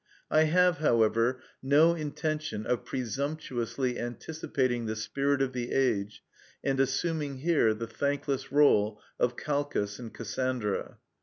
I have, however, no intention of presumptuously anticipating the spirit of the age and assuming here the thankless rôle of Calchas and Cassandra.